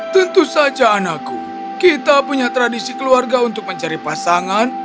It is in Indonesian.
tentu saja anakku kita punya tradisi keluarga untuk mencari pasangan